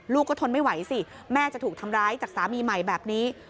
ลูกก็ทนไม่ไหวสิแม่จะถูกทำร้ายจากสามีใหม่แบบนี้